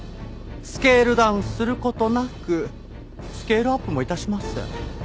スケールダウンする事なくスケールアップも致しません。